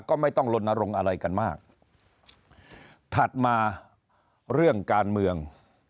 ก็ไม่ต้องลนรงค์อะไรกันมากถัดมาเรื่องการเมือง